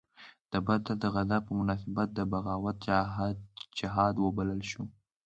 د بدر د غزا په مناسبت دا بغاوت جهاد وبلل شو.